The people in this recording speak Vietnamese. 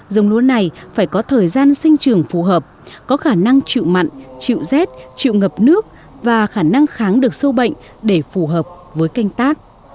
dống lúa này phải có thời gian sinh trường phù hợp có khả năng chịu mặn chịu rét chịu ngập nước và khả năng kháng được sâu bệnh để phù hợp với canh tác